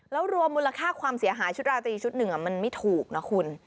แล้วรวมมูลค่าความเสียหายชุดราตรีชุดหนึ่งมันไม่ถูกนะคุณ